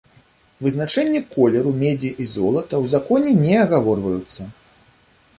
Вызначэнне колеру медзі і золата ў законе не агаворваюцца.